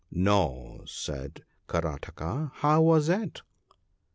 ' No !' said Karataka, * how was it